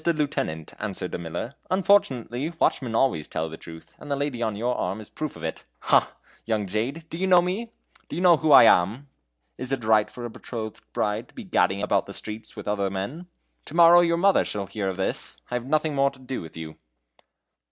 Lieutenant," answered a miller, "unfortunately watchmen always tell the truth, and the lady on your arm is a proof of it. Ha! young jade, do you know me? do you know who I am? Is it right for a betrothed bride to be gadding at night about the streets with other men? To morrow your mother shall hear of this. I'll have nothing more to do with you!"